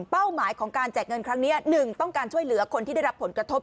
หมายของการแจกเงินครั้งนี้๑ต้องการช่วยเหลือคนที่ได้รับผลกระทบ